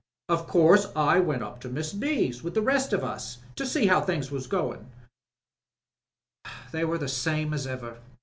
Of course I went up to Mrs. B.'s with the rest of us to see how things were goin*. They were the same as ever.